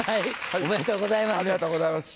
おめでとうございます。